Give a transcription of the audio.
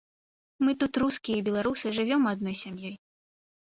Мы тут, рускія і беларусы, жывём адной сям'ёй.